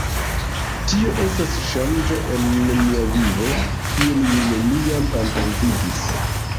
Tio estis ŝanĝo en mia vivo, kiun mi neniam antaŭvidis.